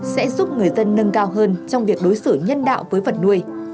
sẽ giúp người dân nâng cao hơn trong việc đối xử nhân đạo với vật nuôi